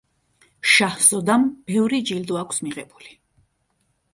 შაჰზოდამ ბევრი ჯილდო აქვს მიღებული.